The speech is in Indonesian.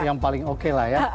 yang paling oke lah ya